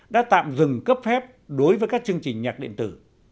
đã tạm dừng cấp phép đối với các chương trình nhạc điện tử